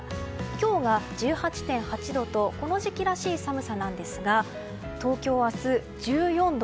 今日が１８．８度とこの時期らしい寒さなんですが東京は明日１４度。